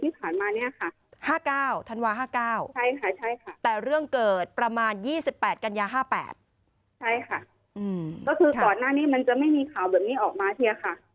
ไปแจ้งความตั้งแต่เมื่อไรค่ะ